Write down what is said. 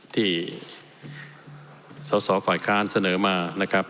ที่สสฝ่ายค้านเสนอมานะครับ